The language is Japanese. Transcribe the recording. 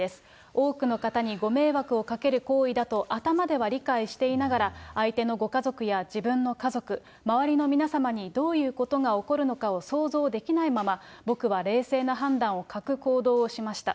多くの方にご迷惑をかける行為だと頭では理解していながら、相手のご家族や自分の家族、周りの皆様にどういうことが起こるのかを想像できないまま、僕は冷静な判断を欠く行動をしました。